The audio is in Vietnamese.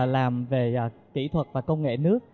làm về kỹ thuật và công nghệ nước